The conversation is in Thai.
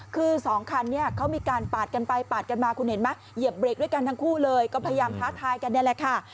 คือ๒คันมาก็เปลี่ยนเบลกด้วยกันทั้งคู่เลยก็พยายามท้าทายกันเนี่ยล่ะค่ะ